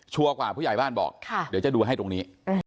กว่าผู้ใหญ่บ้านบอกเดี๋ยวจะดูให้ตรงนี้